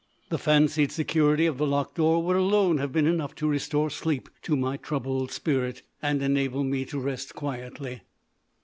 The fancied security of the locked door would alone have been enough to restore sleep to my troubled spirit and enable me to rest quietly.